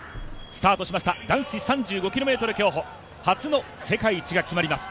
スタートしました男子３５ｋｍ競歩初の世界一が決まります。